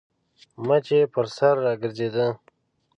مچ يې پر سر راګرځېده.